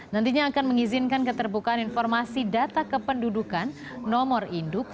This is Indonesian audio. nantinya akan mengizinkan keterbukaan informasi data kependudukan nomor induk